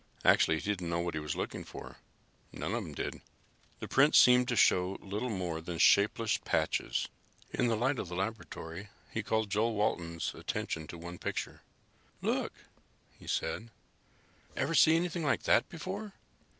Actually, he did not know what he was looking for. None of them did. The prints seemed to show little more than shapeless patches. In the light of the laboratory he called Joe Walton's attention to one picture. "Look," he said. "Ever see anything like that before?"